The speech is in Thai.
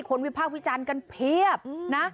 คนวิภาพิจารณ์กันเพียบนะ